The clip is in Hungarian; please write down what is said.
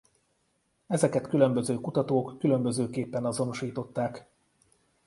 Ezeket különböző kutatók különbözőképpen azonosították.